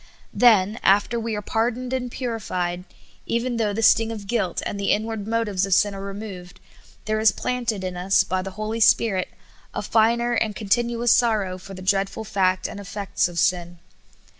Then, after we are pardoned and purified, even though the sting of guilt and the inward motives of sin are removed, there is planted in us, by the Holy Spirit, a finer and continuous sorrow for the dreadful fact and effects of sin.